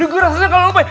ini rasanya kalo lu baik